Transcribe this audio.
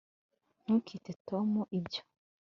ntukite tom ibyo